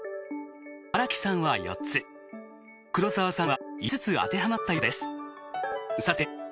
荒木さんは４つ黒沢さんは５つ当てはまったようです。